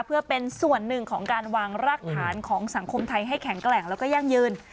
เพื่อเป็นส่วนหนึ่งของการวางรากฐานของสังคมไทยให้แข็งแกร่งแล้วก็ยั่งยืน